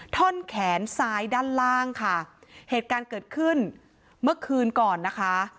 ท่อนแขนซ้ายด้านล่างค่ะเหตุการณ์เกิดขึ้นเมื่อคืนก่อนนะคะ